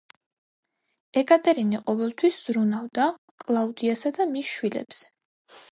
ეკატერინე ყოველთვის ზრუნავდა კლაუდიასა და მის შვილებზე.